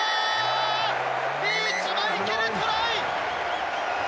リーチマイケル、トライ。